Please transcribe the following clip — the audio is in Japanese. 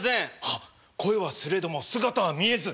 はっ声はすれども姿は見えず。